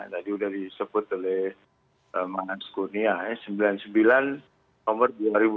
tadi sudah disebut oleh mas kurnia sembilan puluh sembilan nomor dua ribu dua puluh